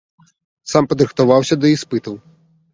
Сам падрыхтаваўся да іспытаў.